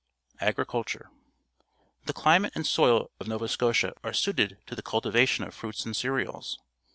Agriculture. — The climate and soil of Nova Scotia are suited to the cultivation of fruits and cereals.